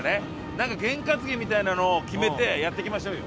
なんかゲン担ぎみたいなのを決めてやっていきましょうよ。